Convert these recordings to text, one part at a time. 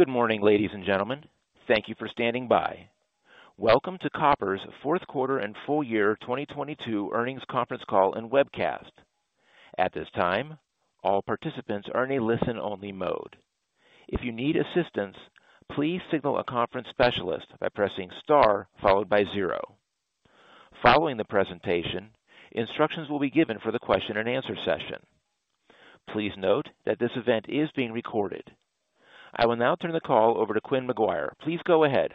Good morning, ladies and gentlemen. Thank you for standing by. Welcome to Koppers Q4 and full year 2022 earnings conference call and webcast. At this time, all participants are in a listen-only mode. If you need assistance, please signal a conference specialist by pressing star followed by zero. Following the presentation, instructions will be given for the question and answer session. Please note that this event is being recorded. I will now turn the call over to Quynh McGuire. Please go ahead.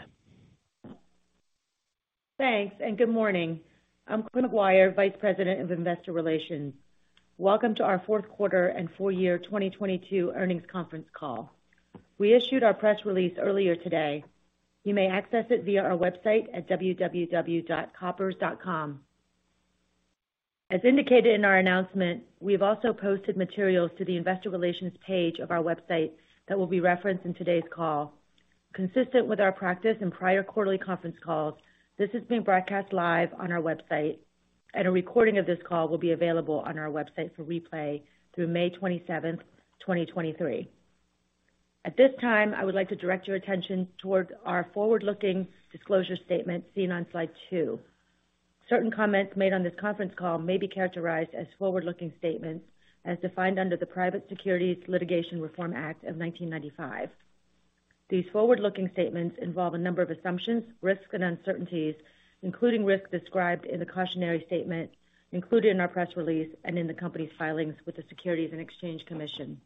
Thanks. Good morning. I'm Quynh McGuire, Vice President of Investor Relations. Welcome to our Q4 and full year 2022 earnings conference call. We issued our press release earlier today. You may access it via our website at www.koppers.com. As indicated in our announcement, we have also posted materials to the investor relations page of our website that will be referenced in today's call. Consistent with our practice in prior quarterly conference calls, this is being broadcast live on our website. A recording of this call will be available on our website for replay through May 27th, 2023. At this time, I would like to direct your attention towards our forward-looking disclosure statement seen on slide two. Certain comments made on this conference call may be characterized as forward-looking statements as defined under the Private Securities Litigation Reform Act of 1995. These forward-looking statements involve a number of assumptions, risks, and uncertainties, including risks described in the cautionary statement included in our press release and in the company's filings with the Securities and Exchange Commission.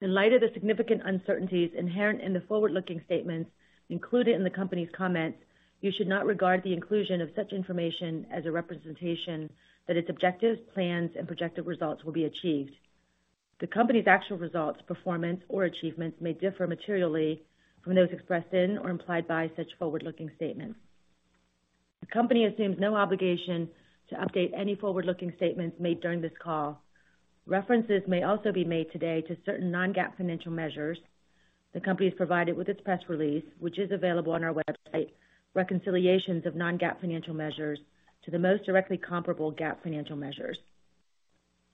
In light of the significant uncertainties inherent in the forward-looking statements included in the company's comments, you should not regard the inclusion of such information as a representation that its objectives, plans, and projected results will be achieved. The company's actual results, performance, or achievements may differ materially from those expressed in or implied by such forward-looking statements. The company assumes no obligation to update any forward-looking statements made during this call. References may also be made today to certain non-GAAP financial measures. The company has provided with its press release, which is available on our website, reconciliations of non-GAAP financial measures to the most directly comparable GAAP financial measures.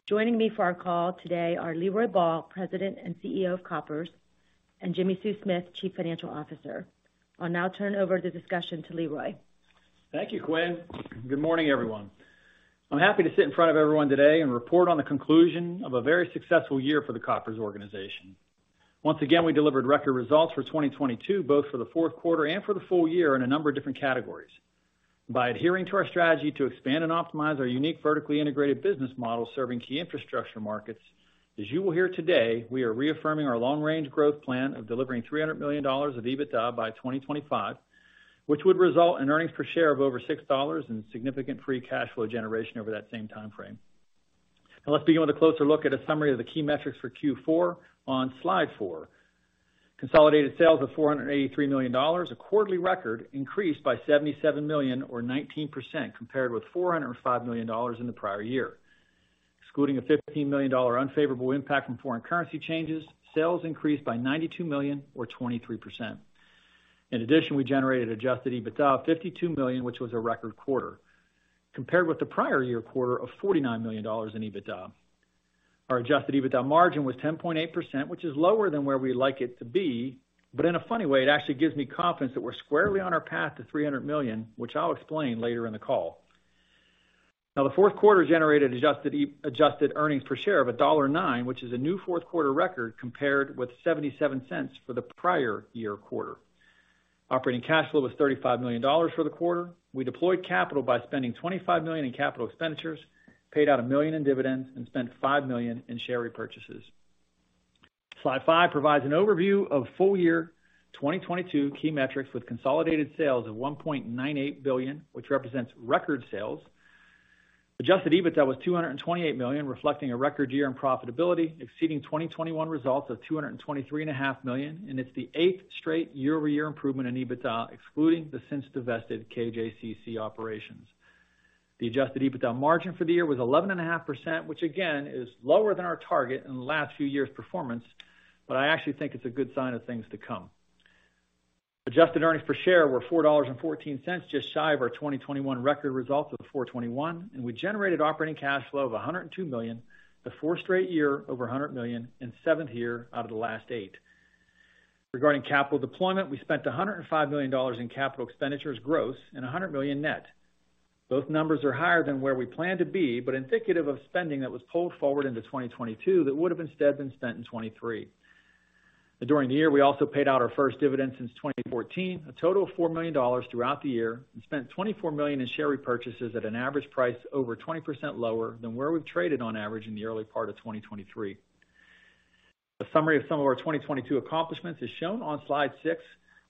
Joining me for our call today are Leroy Ball, President and CEO of Koppers, and Jimmi Sue Smith, Chief Financial Officer. I'll now turn over the discussion to Leroy. Thank you, Quynh. Good morning, everyone. I'm happy to sit in front of everyone today and report on the conclusion of a very successful year for the Koppers organization. Once again, we delivered record results for 2022, both for the Q4 and for the full year in a number of different categories. By adhering to our strategy to expand and optimize our unique vertically integrated business model serving key infrastructure markets, as you will hear today, we are reaffirming our long-range growth plan of delivering $300 million of EBITDA by 2025, which would result in earnings per share of over $6 and significant free cash flow generation over that same timeframe. Let's begin with a closer look at a summary of the key metrics for Q4 on slide four. Consolidated sales of $483 million, a quarterly record increased by $77 million or 19% compared with $405 million in the prior year. Excluding a $15 million unfavorable impact from foreign currency changes, sales increased by $92 million or 23%. We generated adjusted EBITDA of $52 million, which was a record quarter, compared with the prior year quarter of $49 million in EBITDA. Our adjusted EBITDA margin was 10.8%, which is lower than where we'd like it to be, but in a funny way, it actually gives me confidence that we're squarely on our path to $300 million, which I'll explain later in the call. The Q4 generated adjusted earnings per share of $1.09, which is a new Q4 record compared with $0.77 for the prior year quarter. Operating cash flow was $35 million for the quarter. We deployed capital by spending $25 million in capital expenditures, paid out $1 million in dividends, and spent $5 million in share repurchases. Slide five provides an overview of full year 2022 key metrics with consolidated sales of $1.98 billion, which represents record sales. Adjusted EBITDA was $228 million, reflecting a record year in profitability, exceeding 2021 results of $223.5 million. It's the eighth straight year-over-year improvement in EBITDA, excluding the since divested KJCC operations. The adjusted EBITDA margin for the year was 11.5%, which again is lower than our target in the last few years' performance. I actually think it's a good sign of things to come. Adjusted earnings per share were $4.14, just shy of our 2021 record results of $4.21. We generated operating cash flow of $102 million, the 4th straight year over $100 million, and seventh year out of the last 8. Regarding capital deployment, we spent $105 million in capital expenditures gross and $100 million net. Both numbers are higher than where we plan to be, indicative of spending that was pulled forward into 2022 that would have instead been spent in 2023. During the year, we also paid out our first dividend since 2014, a total of $4 million throughout the year, and spent $24 million in share repurchases at an average price over 20% lower than where we've traded on average in the early part of 2023. A summary of some of our 2022 accomplishments is shown on slide six,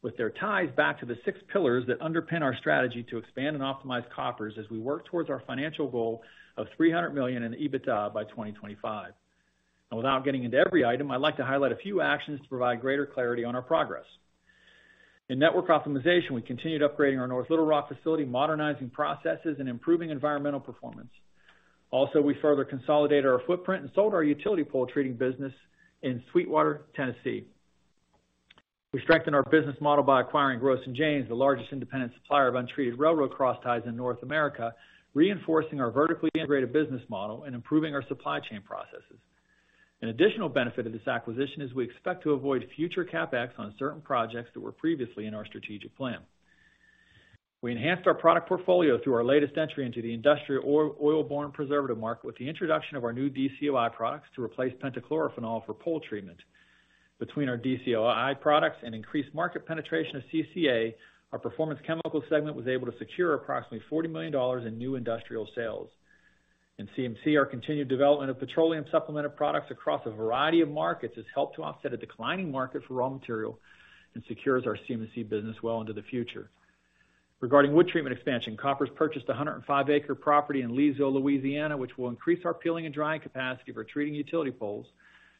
with their ties back to the 6 pillars that underpin our strategy to expand and optimize Koppers as we work towards our financial goal of $300 million in EBITDA by 2025. Without getting into every item, I'd like to highlight a few actions to provide greater clarity on our progress. In network optimization, we continued upgrading our North Little Rock facility, modernizing processes, and improving environmental performance. We further consolidated our footprint and sold our utility pole treating business in Sweetwater, Tennessee. We strengthened our business model by acquiring Gross & James, the largest independent supplier of untreated railroad crossties in North America, reinforcing our vertically integrated business model and improving our supply chain processes. An additional benefit of this acquisition is we expect to avoid future CapEx on certain projects that were previously in our strategic plan. We enhanced our product portfolio through our latest entry into the industrial oil-borne preservative market with the introduction of our new DCOI products to replace pentachlorophenol for pole treatment. Between our DCOI products and increased market penetration of CCA, our Performance Chemicals segment was able to secure approximately $40 million in new industrial sales. In CM&C, our continued development of petroleum supplemented products across a variety of markets has helped to offset a declining market for raw material and secures our CM&C business well into the future. Regarding wood treatment expansion, Koppers purchased a 105 acre property in Leesville, Louisiana, which will increase our peeling and drying capacity for treating utility poles,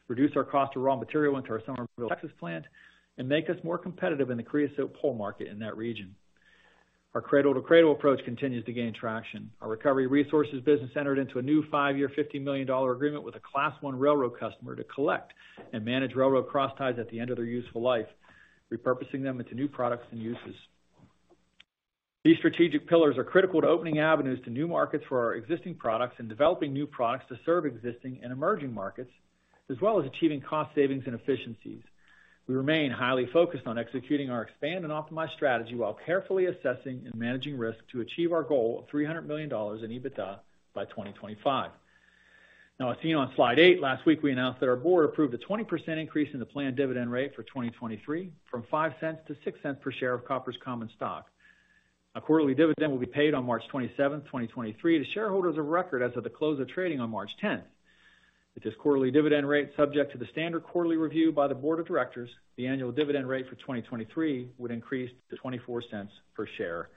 reduce our cost of raw material into our Somerville, Texas plant, and make us more competitive in the creosote pole market in that region. Our cradle-to-cradle approach continues to gain traction. Our Recovery Resources business entered into a new 5-year, $50 million agreement with a Class I railroad customer to collect and manage railroad crossties at the end of their useful life, repurposing them into new products and uses. These strategic pillars are critical to opening avenues to new markets for our existing products and developing new products to serve existing and emerging markets, as well as achieving cost savings and efficiencies. We remain highly focused on executing our expand and optimize strategy while carefully assessing and managing risk to achieve our goal of $300 million in EBITDA by 2025. As seen on slide eight, last week we announced that our board approved a 20% increase in the planned dividend rate for 2023 from $0.05-$0.06 per share of Koppers common stock. A quarterly dividend will be paid on March 27, 2023 to shareholders of record as of the close of trading on March 10. With this quarterly dividend rate subject to the standard quarterly review by the board of directors, the annual dividend rate for 2023 would increase to $0.24 per share.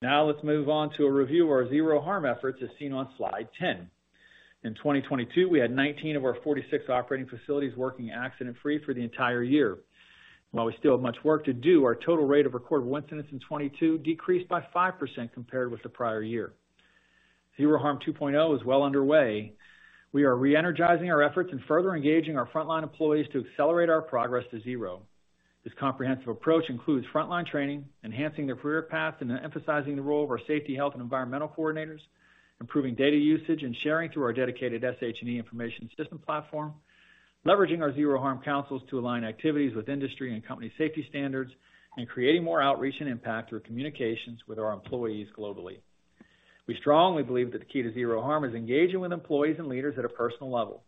Let's move on to a review of our Zero Harm efforts, as seen on slide 10. In 2022, we had 19 of our 46 operating facilities working accident-free for the entire year. While we still have much work to do, our total rate of recordable incidents in 2022 decreased by 5% compared with the prior year. Zero Harm 2.0 is well underway. We are re-energizing our efforts and further engaging our frontline employees to accelerate our progress to zero. This comprehensive approach includes frontline training, enhancing their career path, and emphasizing the role of our safety, health and environmental coordinators, improving data usage and sharing through our dedicated SH&E information system platform, leveraging our Zero Harm councils to align activities with industry and company safety standards, and creating more outreach and impact through communications with our employees globally. We strongly believe that the key to Zero Harm is engaging with employees and leaders at a personal level.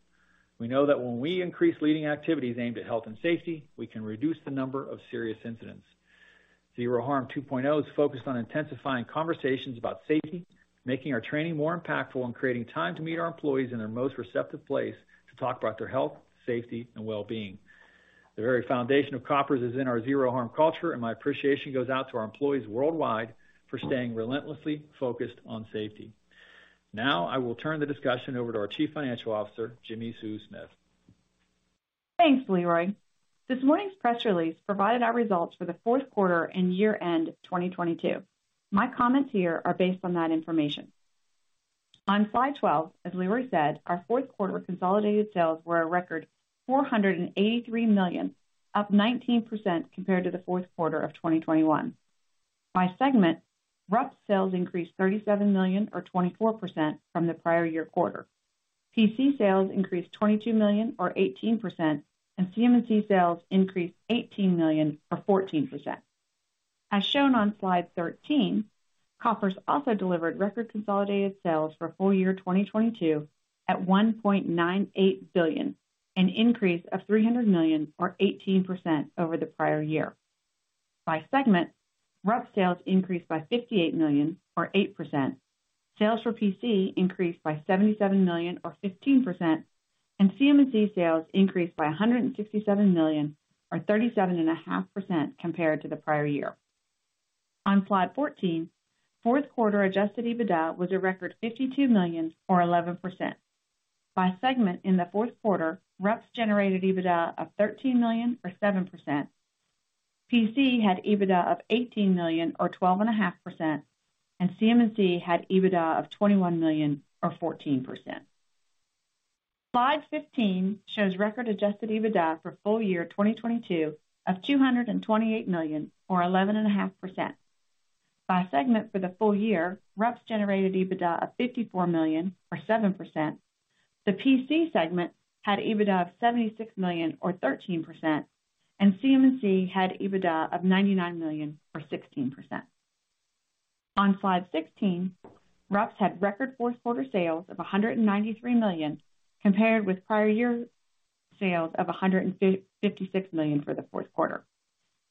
We know that when we increase leading activities aimed at health and safety, we can reduce the number of serious incidents. Zero Harm 2.0 is focused on intensifying conversations about safety, making our training more impactful, and creating time to meet our employees in their most receptive place to talk about their health, safety and well-being. The very foundation of Koppers is in our Zero Harm culture. My appreciation goes out to our employees worldwide for staying relentlessly focused on safety. Now I will turn the discussion over to our Chief Financial Officer, Jimmi Sue Smith. Thanks, Leroy. This morning's press release provided our results for the Q4 and year-end 2022. My comments here are based on that information. On slide 12, as Leroy said, our Q4 consolidated sales were a record $483 million, up 19% compared to the Q4 of 2021. By segment, RUPS sales increased $37 million or 24% from the prior year quarter. PC sales increased $22 million or 18%, and CM&C sales increased $18 million or 14%. As shown on slide 13, Koppers also delivered record consolidated sales for full year 2022 at $1.98 billion, an increase of $300 million or 18% over the prior year. By segment, RUPS sales increased by $58 million or 8%. Sales for PC increased by $77 million or 15%, and CM&C sales increased by $167 million or 37.5% compared to the prior year. On Slide 14, Q4 adjusted EBITDA was a record $52 million or 11%. By segment in the Q4, RUPS generated EBITDA of $13 million or 7%. PC had EBITDA of $18 million or 12.5%, and CM&C had EBITDA of $21 million or 14%. Slide 15 shows record adjusted EBITDA for full year 2022 of $228 million or 11.5%. By segment for the full year, RUPS generated EBITDA of $54 million or 7%. The PC segment had EBITDA of $76 million or 13%, and CM&C had EBITDA of $99 million or 16%. On slide 16, RUPS had record Q4 sales of $193 million compared with prior year sales of $156 million for the Q4.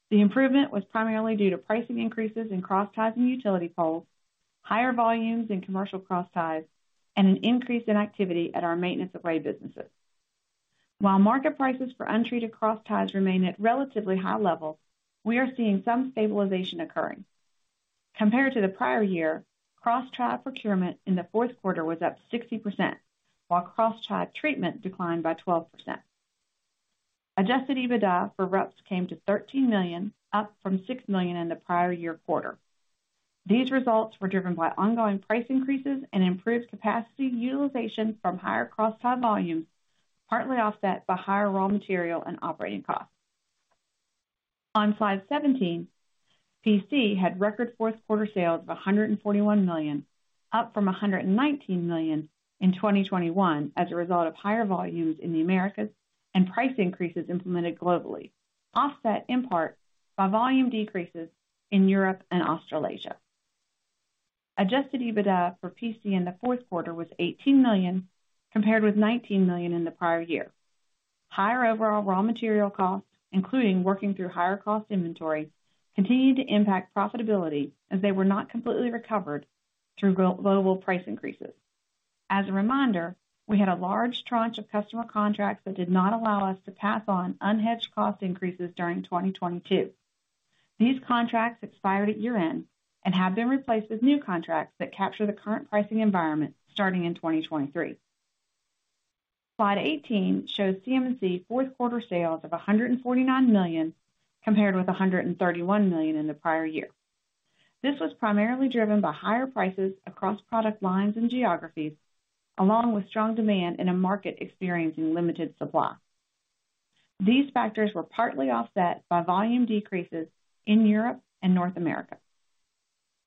The improvement was primarily due to pricing increases in crossties and utility poles, higher volumes in commercial crossties, and an increase in activity at our maintenance of rail businesses. While market prices for untreated crossties remain at relatively high levels, we are seeing some stabilization occurring. Compared to the prior year, crosstie procurement in the Q4 was up 60%, while crosstie treatment declined by 12%. Adjusted EBITDA for RUPS came to $13 million, up from $6 million in the prior year quarter. These results were driven by ongoing price increases and improved capacity utilization from higher crosstie volumes, partly offset by higher raw material and operating costs. On slide 17, PC had record Q4 sales of $141 million, up from $119 million in 2021 as a result of higher volumes in the Americas and price increases implemented globally, offset in part by volume decreases in Europe and Australasia. Adjusted EBITDA for PC in the Q4 was $18 million, compared with $19 million in the prior year. Higher overall raw material costs, including working through higher cost inventory, continued to impact profitability as they were not completely recovered through global price increases. As a reminder, we had a large tranche of customer contracts that did not allow us to pass on unhedged cost increases during 2022. These contracts expired at year-end and have been replaced with new contracts that capture the current pricing environment starting in 2023. Slide 18 shows CM&C Q4 sales of $149 million, compared with $131 million in the prior year. This was primarily driven by higher prices across product lines and geographies, along with strong demand in a market experiencing limited supply. These factors were partly offset by volume decreases in Europe and North America.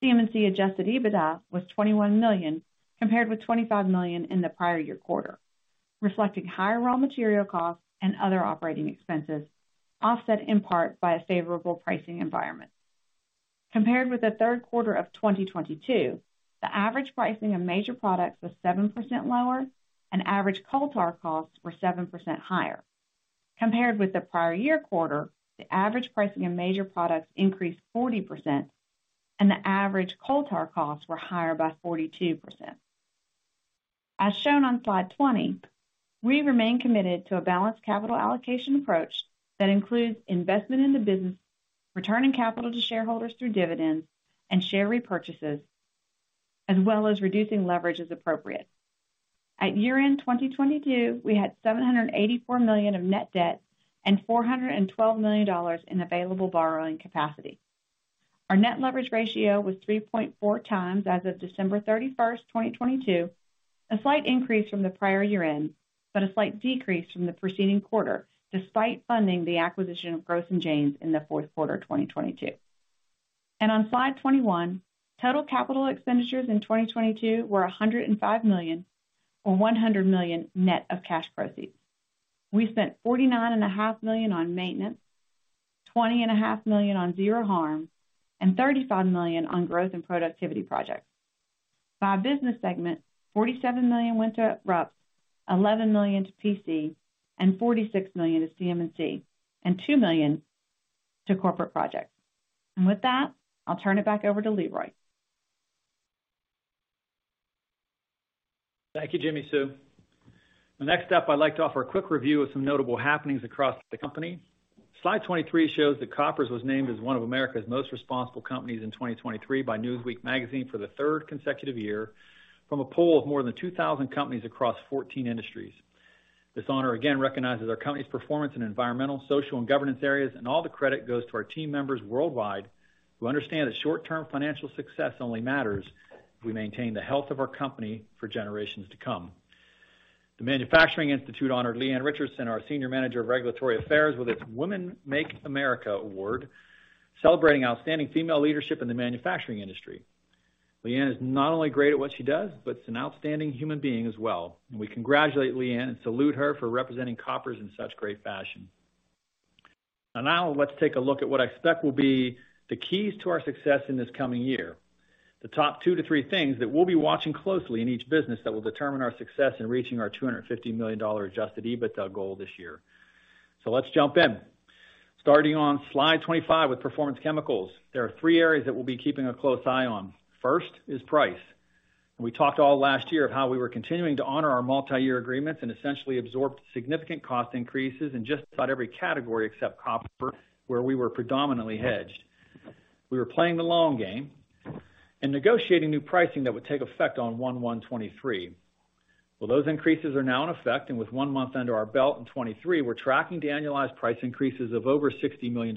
CM&C adjusted EBITDA was $21 million, compared with $25 million in the prior year quarter, reflecting higher raw material costs and other operating expenses, offset in part by a favorable pricing environment. Compared with the Q3 of 2022, the average pricing of major products was 7% lower, and average coal tar costs were 7% higher. Compared with the prior year quarter, the average pricing of major products increased 40%, and the average coal tar costs were higher by 42%. As shown on slide 20, we remain committed to a balanced capital allocation approach that includes investment in the business, returning capital to shareholders through dividends and share repurchases, as well as reducing leverage as appropriate. At year-end 2022, we had $784 million of net debt and $412 million in available borrowing capacity. Our net leverage ratio was 3.4 times as of December 31st, 2022, a slight increase from the prior year-end, but a slight decrease from the preceding quarter, despite funding the acquisition of Gross & James in the Q4 of 2022. On slide 21, total capital expenditures in 2022 were $105 million, or $100 million net of cash proceeds. We spent $49.5 million on maintenance, $20.5 million on Zero Harm, and $35 million on growth and productivity projects. By business segment, $47 million went to RUPS, $11 million to PC, $46 million to CM&C, and $2 million to corporate projects. With that, I'll turn it back over to Leroy. Thank you, Jimmi Sue. The next step, I'd like to offer a quick review of some notable happenings across the company. Slide 23 shows that Koppers was named as one of America's most responsible companies in 2023 by Newsweek for the third consecutive year from a pool of more than 2,000 companies across 14 industries. This honor again recognizes our company's performance in environmental, social, and governance areas. All the credit goes to our team members worldwide who understand that short-term financial success only matters if we maintain the health of our company for generations to come. The Manufacturing Institute honored Leigh Ann Richardson, our Senior Manager of Regulatory Affairs, with its Women MAKE America award, celebrating outstanding female leadership in the manufacturing industry. Leigh Ann is not only great at what she does, but she's an outstanding human being as well. We congratulate Leigh Ann and salute her for representing Koppers in such great fashion. Now let's take a look at what I expect will be the keys to our success in this coming year. The top two to three things that we'll be watching closely in each business that will determine our success in reaching our $250 million adjusted EBITDA goal this year. Let's jump in. Starting on slide 25 with Performance Chemicals, there are three areas that we'll be keeping a close eye on. First is price. We talked all last year of how we were continuing to honor our multi-year agreements and essentially absorbed significant cost increases in just about every category except copper, where we were predominantly hedged. We were playing the long game and negotiating new pricing that would take effect on 1/1/2023. Those increases are now in effect, and with one month under our belt in 2023, we're tracking the annualized price increases of over $60 million.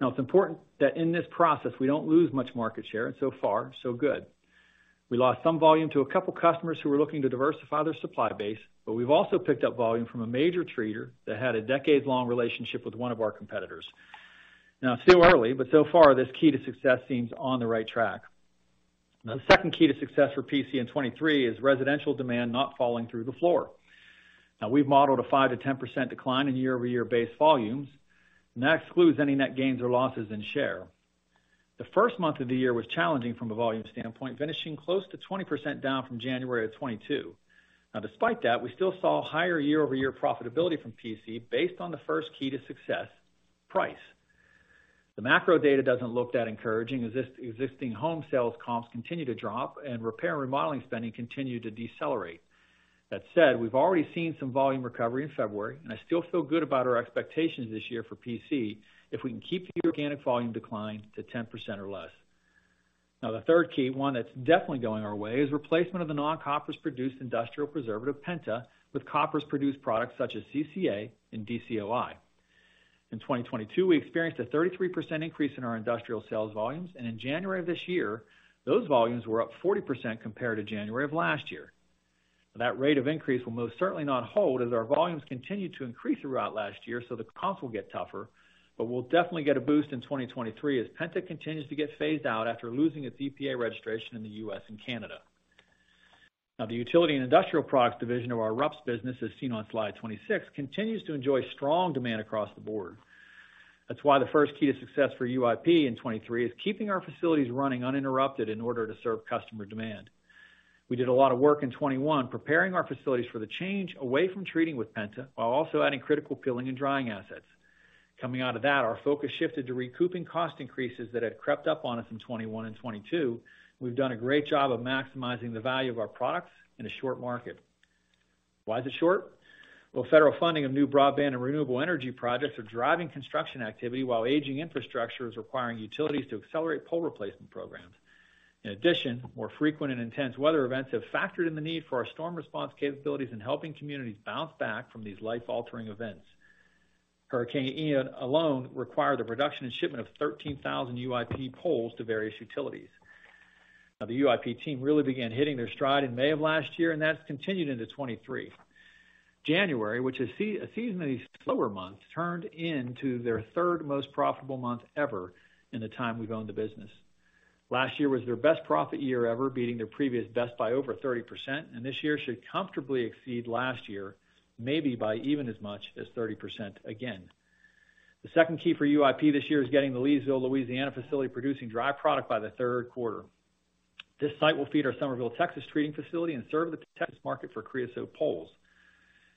It's important that in this process, we don't lose much market share, and so far, so good. We lost some volume to a couple customers who were looking to diversify their supply base, but we've also picked up volume from a major trader that had a decades-long relationship with one of our competitors. It's still early, but so far, this key to success seems on the right track. The second key to success for PC in 2023 is residential demand not falling through the floor. We've modeled a 5%-10% decline in year-over-year base volumes. That excludes any net gains or losses in share. The first month of the year was challenging from a volume standpoint, finishing close to 20% down from January of 2022. Despite that, we still saw higher year-over-year profitability from PC based on the first key to success, price. The macro data doesn't look that encouraging, existing home sales comps continue to drop and repair and remodeling spending continue to decelerate. That said, we've already seen some volume recovery in February, and I still feel good about our expectations this year for PC if we can keep the organic volume decline to 10% or less. The third key, one that's definitely going our way, is replacement of the non-Koppers produced industrial preservative penta with Koppers produced products such as CCA and DCOI. In 2022, we experienced a 33% increase in our industrial sales volumes. In January of this year, those volumes were up 40% compared to January of last year. That rate of increase will most certainly not hold as our volumes continued to increase throughout last year. The comps will get tougher. We'll definitely get a boost in 2023 as Penta continues to get phased out after losing its EPA registration in the U.S. and Canada. The utility and industrial products division of our RUPS business, as seen on slide 26, continues to enjoy strong demand across the board. That's why the first key to success for UIP in 2023 is keeping our facilities running uninterrupted in order to serve customer demand. We did a lot of work in 2021 preparing our facilities for the change away from treating with Penta while also adding critical pilling and drying assets. Coming out of that, our focus shifted to recouping cost increases that had crept up on us in 2021 and 2022. We've done a great job of maximizing the value of our products in a short market. Why is it short? Federal funding of new broadband and renewable energy projects are driving construction activity while aging infrastructure is requiring utilities to accelerate pole replacement programs. More frequent and intense weather events have factored in the need for our storm response capabilities in helping communities bounce back from these life-altering events. Hurricane Ian alone required the production and shipment of 13,000 UIP poles to various utilities. The UIP team really began hitting their stride in May of last year, and that's continued into 2023. January, which is a seasonally slower month, turned into their third most profitable month ever in the time we've owned the business. Last year was their best profit year ever, beating their previous best by over 30%, and this year should comfortably exceed last year, maybe by even as much as 30% again. The second key for UIP this year is getting the Leesville, Louisiana facility producing dry product by the Q3. This site will feed our Somerville, Texas, treating facility and serve the Texas market for creosote poles.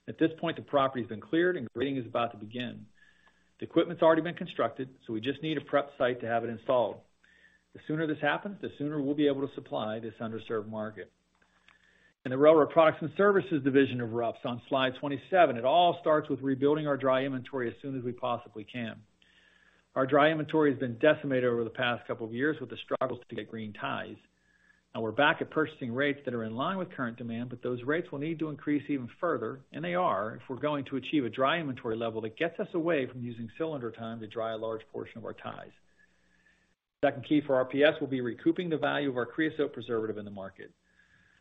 At this point, the property has been cleared and grading is about to begin. The equipment's already been constructed, so we just need a prep site to have it installed. The sooner this happens, the sooner we'll be able to supply this underserved market. In the railroad products and services division of RPS on slide 27, it all starts with rebuilding our dry inventory as soon as we possibly can. Our dry inventory has been decimated over the past couple of years with the struggles to get green ties. Now we're back at purchasing rates that are in line with current demand, but those rates will need to increase even further, and they are, if we're going to achieve a dry inventory level that gets us away from using cylinder time to dry a large portion of our ties. Second key for RPS will be recouping the value of our creosote preservative in the market.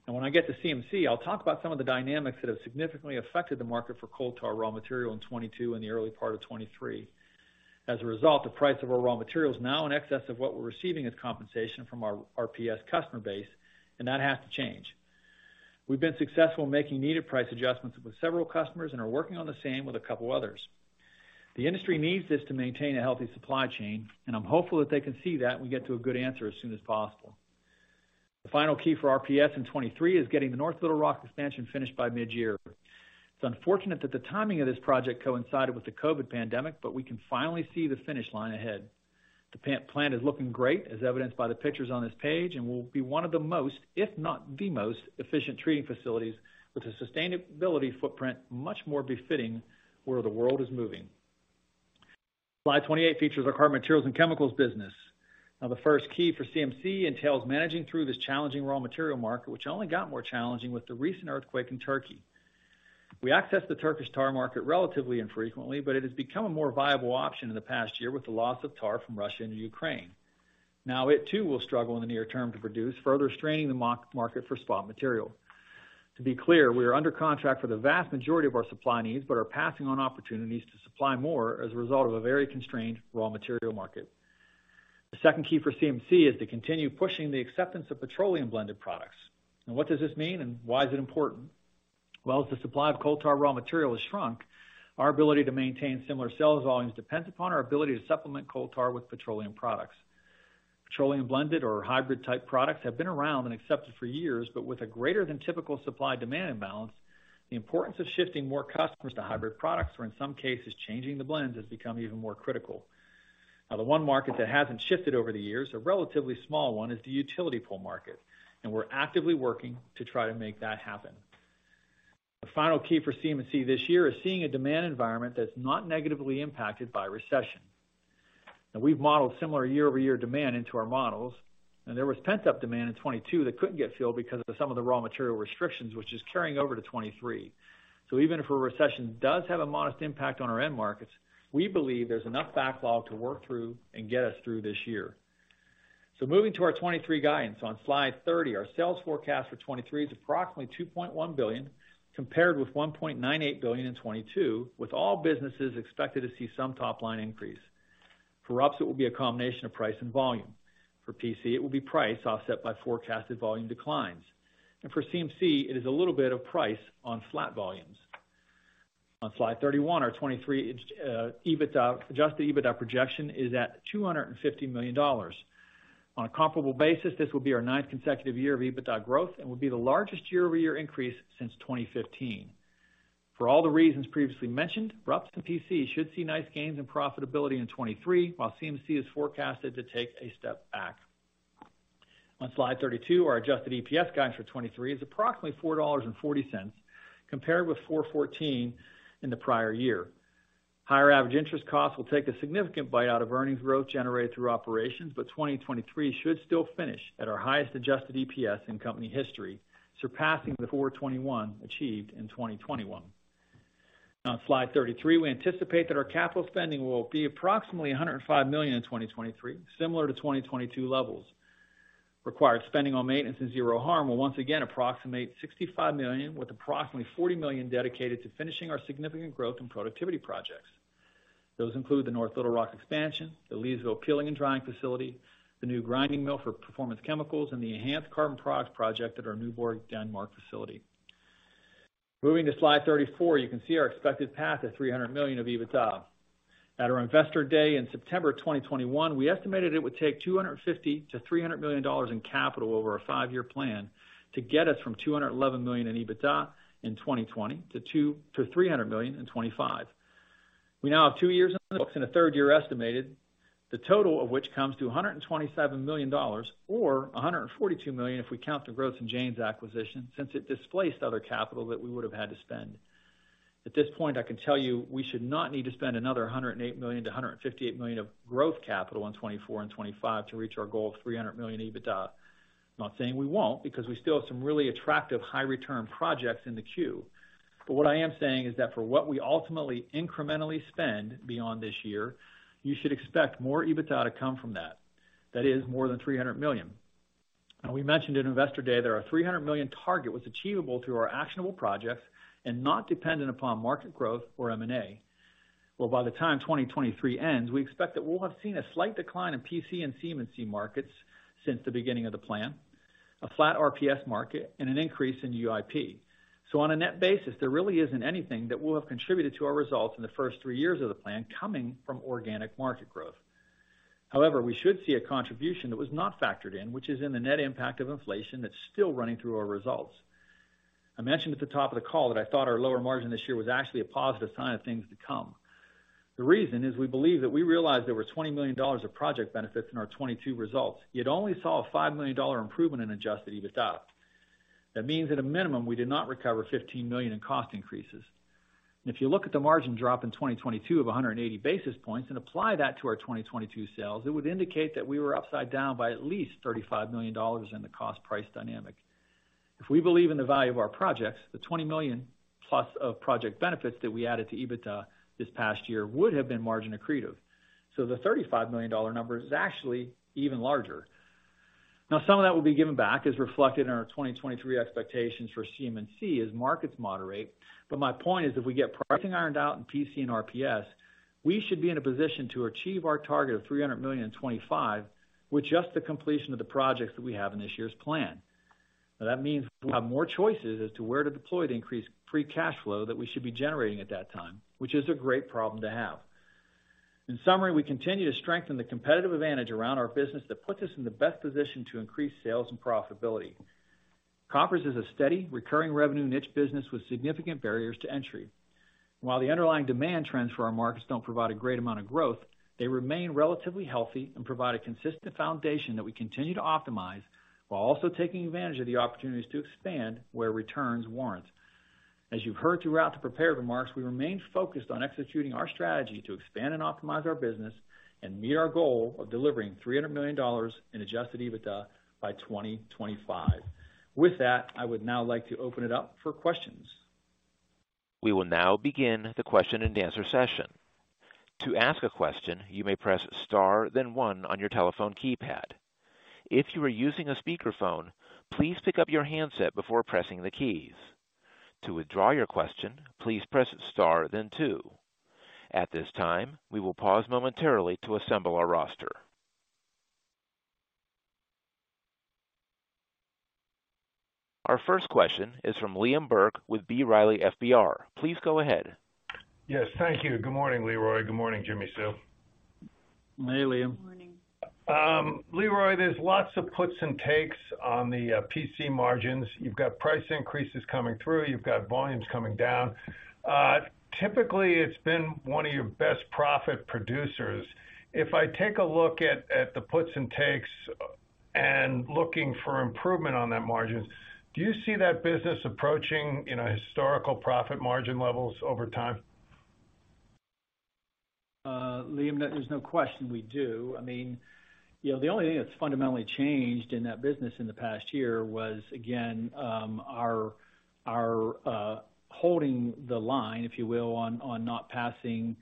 When I get to CMC, I'll talk about some of the dynamics that have significantly affected the market for coal tar raw material in 2022 and the early part of 2023. As a result, the price of our raw material is now in excess of what we're receiving as compensation from our RPS customer base. That has to change. We've been successful in making needed price adjustments with several customers and are working on the same with a couple others. The industry needs this to maintain a healthy supply chain. I'm hopeful that they can see that and we get to a good answer as soon as possible. The final key for RPS in 2023 is getting the North Little Rock expansion finished by mid-year. It's unfortunate that the timing of this project coincided with the COVID pandemic, but we can finally see the finish line ahead. The plant is looking great, as evidenced by the pictures on this page, and will be one of the most, if not the most efficient treating facilities with a sustainability footprint much more befitting where the world is moving. Slide 28 features our hard materials and chemicals business. The first key for CMC entails managing through this challenging raw material market, which only got more challenging with the recent earthquake in Turkey. We access the Turkish tar market relatively infrequently, but it has become a more viable option in the past year with the loss of tar from Russia into Ukraine. It too will struggle in the near term to produce, further straining the market for spot material. To be clear, we are under contract for the vast majority of our supply needs, but are passing on opportunities to supply more as a result of a very constrained raw material market. What does this mean and why is it important? As the supply of coal tar raw material has shrunk, our ability to maintain similar sales volumes depends upon our ability to supplement coal tar with petroleum products. Petroleum blended or hybrid-type products have been around and accepted for years. With a greater than typical supply demand imbalance, the importance of shifting more customers to hybrid products, or in some cases, changing the blends, has become even more critical. The one market that hasn't shifted over the years, a relatively small one, is the utility pole market, and we're actively working to try to make that happen. The final key for CMC this year is seeing a demand environment that's not negatively impacted by recession. We've modeled similar year-over-year demand into our models, and there was pent-up demand in 2022 that couldn't get filled because of some of the raw material restrictions which is carrying over to 2023. Even if a recession does have a modest impact on our end markets, we believe there's enough backlog to work through and get us through this year. Moving to our 2023 guidance on slide 30. Our sales forecast for 2023 is approximately $2.1 billion compared with $1.98 billion in 2022, with all businesses expected to see some top line increase. For RUPS, it will be a combination of price and volume. For PC, it will be price offset by forecasted volume declines. For CMC, it is a little bit of price on flat volumes. On slide 31, our 2023 EBITDA, adjusted EBITDA projection is at $250 million. On a comparable basis, this will be our ninth consecutive year of EBITDA growth and will be the largest year-over-year increase since 2015. For all the reasons previously mentioned, RUPS and PC should see nice gains in profitability in 2023, while CMC is forecasted to take a step back. On slide 32, our adjusted EPS guidance for 2023 is approximately $4.40 compared with $4.14 in the prior year. Higher average interest costs will take a significant bite out of earnings growth generated through operations. Twenty twenty-three should still finish at our highest adjusted EPS in company history, surpassing the $4.21 achieved in 2021. On slide 33, we anticipate that our capital spending will be approximately $105 million in 2023, similar to 2022 levels. Required spending on maintenance and Zero Harm will once again approximate $65 million, with approximately $40 million dedicated to finishing our significant growth and productivity projects. Those include the North Little Rock expansion, the Leesville peeling and drying facility, the new grinding mill for Performance Chemicals, and the enhanced carbon products project at our Nyborg, Denmark facility. Moving to slide 34, you can see our expected path of $300 million of EBITDA. At our Investor Day in September 2021, we estimated it would take $250 million-$300 million in capital over a five-year plan to get us from $211 million in EBITDA in 2020 to $200 million-$300 million in 2025. We now have two years in the books and a third year estimated, the total of which comes to $127 million or $142 million if we count the Gross & James acquisition since it displaced other capital that we would have had to spend. At this point, I can tell you we should not need to spend another $108 million-$158 million of growth capital in 2024 and 2025 to reach our goal of $300 million EBITDA. I'm not saying we won't, because we still have some really attractive high return projects in the queue. What I am saying is that for what we ultimately incrementally spend beyond this year, you should expect more EBITDA to come from that. That is more than $300 million. We mentioned at Investor Day that our $300 million target was achievable through our actionable projects and not dependent upon market growth or M&A. By the time 2023 ends, we expect that we'll have seen a slight decline in PC and CMC markets since the beginning of the plan, a flat RPS market, and an increase in UIP. On a net basis, there really isn't anything that will have contributed to our results in the first three years of the plan coming from organic market growth. We should see a contribution that was not factored in, which is in the net impact of inflation that's still running through our results. I mentioned at the top of the call that I thought our lower margin this year was actually a positive sign of things to come. The reason is we believe that we realized there were $20 million of project benefits in our 2022 results, yet only saw a $5 million improvement in adjusted EBITDA. That means at a minimum, we did not recover $15 million in cost increases. If you look at the margin drop in 2022 of 180 basis points and apply that to our 2022 sales, it would indicate that we were upside down by at least $35 million in the cost price dynamic. If we believe in the value of our projects, the $20 million plus of project benefits that we added to EBITDA this past year would have been margin accretive. The $35 million number is actually even larger. Some of that will be given back as reflected in our 2023 expectations for CMC as markets moderate. My point is, if we get pricing ironed out in PC and RPS, we should be in a position to achieve our target of $300 million in 2025 with just the completion of the projects that we have in this year's plan. That means we have more choices as to where to deploy the increased free cash flow that we should be generating at that time, which is a great problem to have. In summary, we continue to strengthen the competitive advantage around our business that puts us in the best position to increase sales and profitability. Koppers is a steady recurring revenue niche business with significant barriers to entry. While the underlying demand trends for our markets don't provide a great amount of growth, they remain relatively healthy and provide a consistent foundation that we continue to optimize while also taking advantage of the opportunities to expand where returns warrant. As you've heard throughout the prepared remarks, we remain focused on executing our strategy to expand and optimize our business and meet our goal of delivering $300 million in adjusted EBITDA by 2025. I would now like to open it up for questions. We will now begin the question-and-answer session. To ask a question, you may press Star, then one on your telephone keypad. If you are using a speakerphone, please pick up your handset before pressing the keys. To withdraw your question, please press Star then two. At this time, we will pause momentarily to assemble our roster. Our first question is from Liam Burke with B. Riley FBR. Please go ahead. Yes, thank you. Good morning, Leroy. Good morning, Jimmi Sue. Hey, Liam. Morning. Leroy, there's lots of puts and takes on the PC margins. You've got price increases coming through. You've got volumes coming down. Typically, it's been one of your best profit producers. If I take a look at the puts and takes and looking for improvement on that margins, do you see that business approaching, you know, historical profit margin levels over time? Liam, there's no question we do. I mean, you know, the only thing that's fundamentally changed in that business in the past year was, again, our holding the line, if you will, on not passing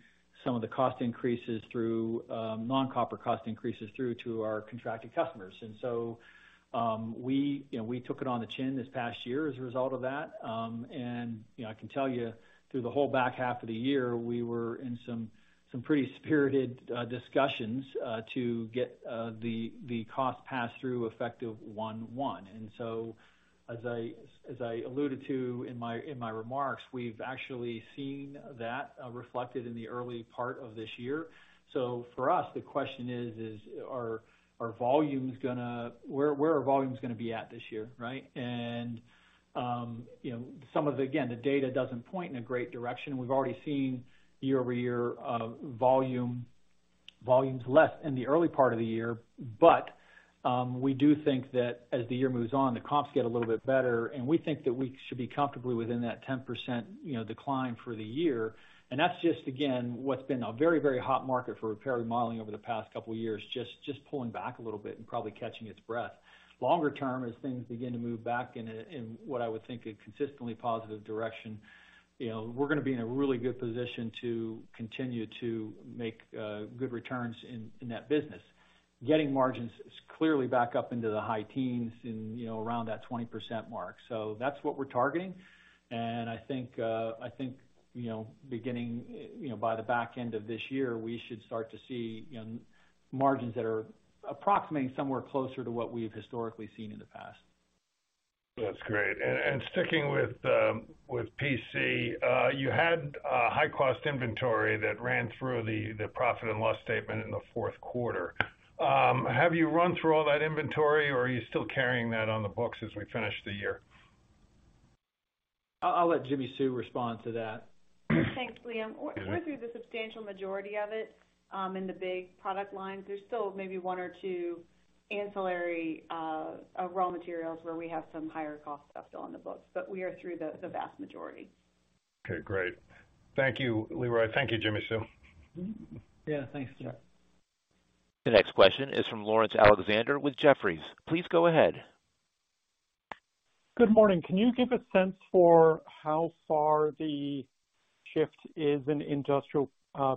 some of the cost increases through, non-copper cost increases through to our contracted customers. We, you know, we took it on the chin this past year as a result of that. You know, I can tell you through the whole back half of the year, we were in some pretty spirited discussions to get the cost pass-through effective 1/1. As I alluded to in my remarks, we've actually seen that reflected in the early part of this year. For us, the question is are our volumes where are volumes gonna be at this year, right? You know, some of, again, the data doesn't point in a great direction. We've already seen year-over-year volumes less in the early part of the year. We do think that as the year moves on, the comps get a little bit better, and we think that we should be comfortably within that 10%, you know, decline for the year. That's just, again, what's been a very, very hot market for repair and remodeling over the past couple of years, just pulling back a little bit and probably catching its breath. Longer term, as things begin to move back in what I would think a consistently positive direction, you know, we're gonna be in a really good position to continue to make good returns in that business. Getting margins clearly back up into the high teens and, you know, around that 20% mark. That's what we're targeting. I think, you know, beginning, you know, by the back end of this year, we should start to see, you know, margins that are approximating somewhere closer to what we've historically seen in the past. That's great. Sticking with PC, you had a high cost inventory that ran through the profit and loss statement in the Q4. Have you run through all that inventory or are you still carrying that on the books as we finish the year? I'll let Jimmi Sue respond to that. Thanks, Liam. We're through the substantial majority of it, in the big product lines. There's still maybe one or two ancillary, raw materials where we have some higher cost stuff still on the books, but we are through the vast majority. Okay, great. Thank you, Leroy. Thank you, Jimmi Sue. Yeah, thanks, Burke. The next question is from Laurence Alexander with Jefferies. Please go ahead. Good morning. Can you give a sense for how far the shift is in industrial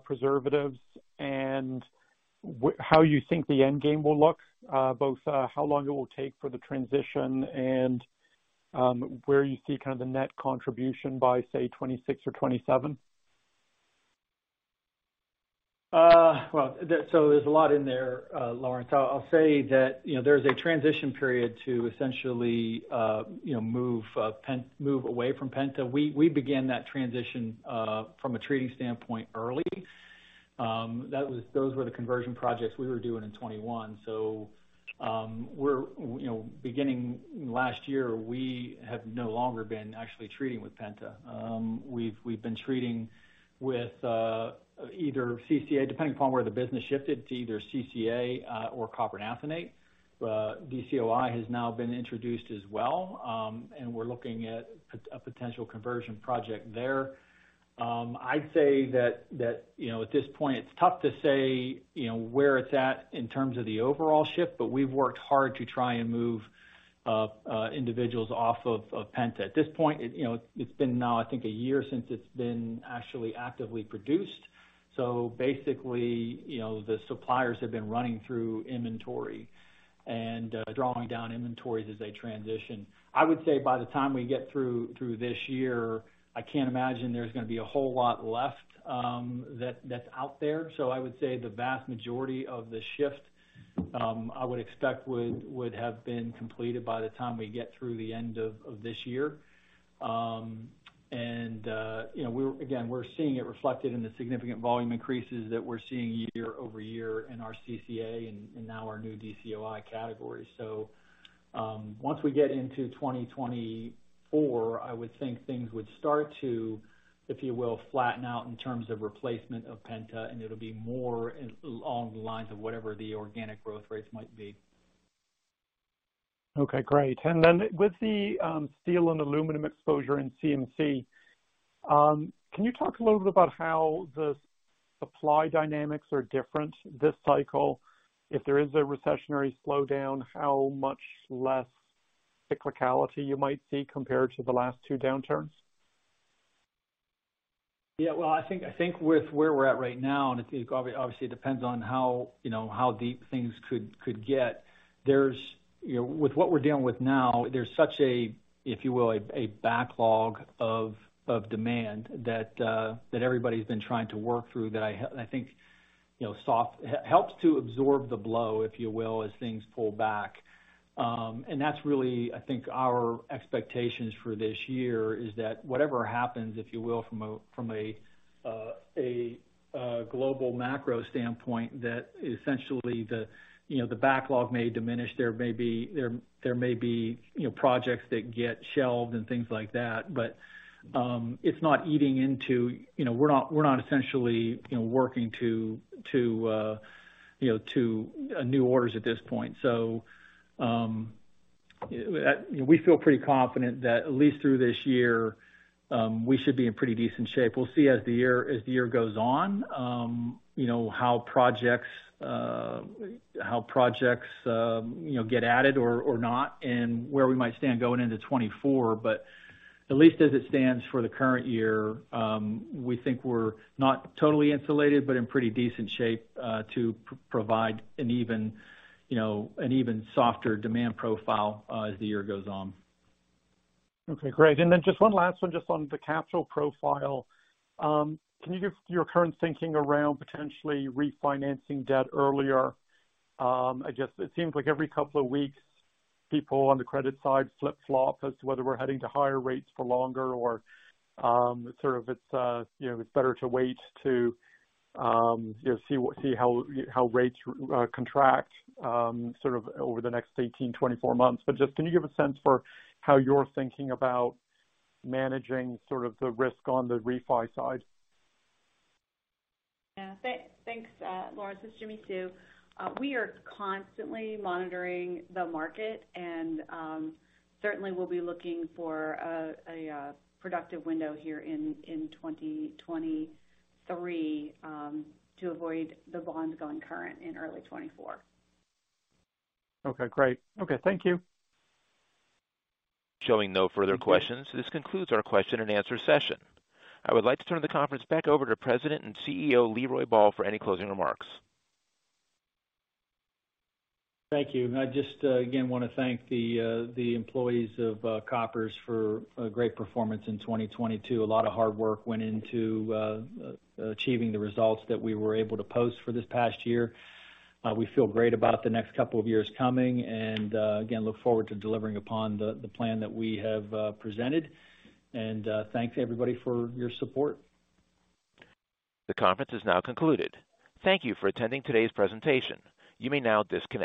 preservatives and how you think the end game will look, both how long it will take for the transition and where you see kind of the net contribution by, say, 2026 or 2027? Well, there's a lot in there, Laurence. I'll say that, you know, there's a transition period to essentially, you know, move pentachlorophenol move away from pentachlorophenol. We began that transition from a treating standpoint early. Those were the conversion projects we were doing in 2021. We're, you know, beginning last year, we have no longer been actually treating with pentachlorophenol. We've been treating with either CCA, depending upon where the business shifted, to either CCA or copper naphthenate. DCOI has now been introduced as well, and we're looking at a potential conversion project there. I'd say that, you know, at this point it's tough to say, you know, where it's at in terms of the overall shift, but we've worked hard to try and move individuals off of pentachlorophenol. At this point, you know, it's been now, I think, a year since it's been actually actively produced. Basically, you know, the suppliers have been running through inventory and drawing down inventories as they transition. I would say by the time we get through this year, I can't imagine there's gonna be a whole lot left that's out there. I would say the vast majority of the shift, I would expect would have been completed by the time we get through the end of this year. You know, Again, we're seeing it reflected in the significant volume increases that we're seeing year-over-year in our CCA and now our new DCOI category. Once we get into 2024, I would think things would start to, if you will, flatten out in terms of replacement of pentachlorophenol. It'll be more along the lines of whatever the organic growth rates might be. Okay, great. With the steel and aluminum exposure in CMC, can you talk a little bit about how the supply dynamics are different this cycle? If there is a recessionary slowdown, how much less cyclicality you might see compared to the last two downturns? Yeah, well, I think, I think with where we're at right now, and it obviously depends on how, you know, how deep things could get. There's, you know, with what we're dealing with now, there's such a, if you will, a backlog of demand that everybody's been trying to work through that I think, you know, helps to absorb the blow, if you will, as things pull back. That's really I think our expectations for this year is that whatever happens, if you will, from a, from a global macro standpoint, that essentially the, you know, the backlog may diminish. There may be, you know, projects that get shelved and things like that, but, it's not eating into... You know, we're not essentially, you know, working to, you know, to new orders at this point. We feel pretty confident that at least through this year, we should be in pretty decent shape. We'll see as the year goes on, you know, how projects, how projects, you know, get added or not, and where we might stand going into 2024, but at least as it stands for the current year, we think we're not totally insulated, but in pretty decent shape to provide an even, you know, an even softer demand profile as the year goes on. Okay, great. Just one last one, just on the capital profile. Can you give your current thinking around potentially refinancing debt earlier? I guess it seems like every couple of weeks, people on the credit side flip-flop as to whether we're heading to higher rates for longer or, sort of it's, you know, it's better to wait to, you know, see how rates contract, sort of over the next 18, 24 months. Just can you give a sense for how you're thinking about managing sort of the risk on the refi side? Yeah. Thanks, Lawrence. It's Jimmi Sue. We are constantly monitoring the market and, certainly we'll be looking for a productive window here in 2023 to avoid the bonds going current in early 2024. Okay, great. Okay, thank you. Showing no further questions, this concludes our question and answer session. I would like to turn the conference back over to President and CEO, Leroy Ball for any closing remarks. Thank you. I just, again, wanna thank the employees of Koppers for a great performance in 2022. A lot of hard work went into achieving the results that we were able to post for this past year. We feel great about the next couple of years coming and, again, look forward to delivering upon the plan that we have presented. Thanks, everybody, for your support. The conference is now concluded. Thank you for attending today's presentation. You may now disconnect.